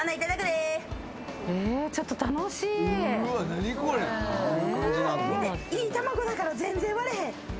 いい卵だから全然割れへん。